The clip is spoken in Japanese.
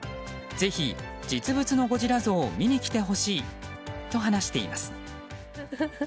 ぜひ、実物のゴジラ像を見に来てほしいと話しています。